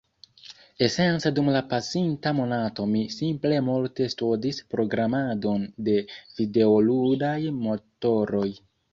esence dum la pasinta monato mi simple multe studis programadon de videoludaj motoroj.